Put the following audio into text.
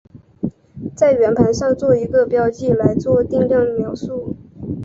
在圆盘上做一个标记来做定量描述。